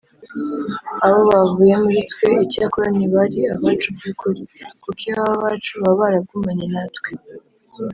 Abo bavuye muri twe, icyakora ntibari abacu by’ukuri, kuko iyo baba abacu baba baragumanye natwe